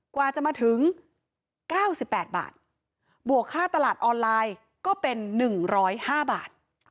กว่าจะมาถึง๙๘บาทบวกค่าตลาดออนไลน์ก็เป็น๑๐๕บาท